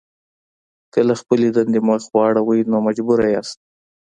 که له خپلې دندې مخ واړوئ نو مجبور یاست.